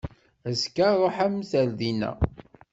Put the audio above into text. Azekka ruḥemt ar dina!